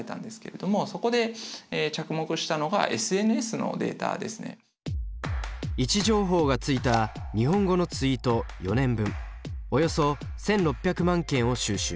そういった位置情報がついた日本語のツイート４年分およそ１，６００万件を収集。